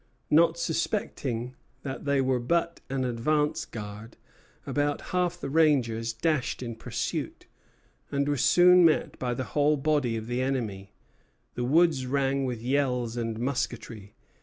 Not suspecting that they were but an advance guard, about half the rangers dashed in pursuit, and were soon met by the whole body of the enemy. The woods rang with yells and musketry.